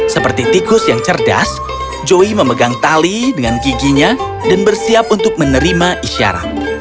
seperti tikus yang cerdas joy memegang tali dengan giginya dan bersiap untuk menerima isyarat